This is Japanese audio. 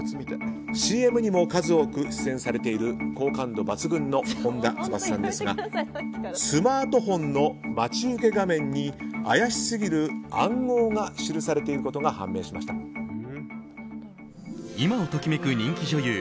ＣＭにも数多く出演されている好感度抜群の本田翼さんですがスマートフォンの待ち受け画面に怪しすぎる暗号が記されていることが今を時めく人気女優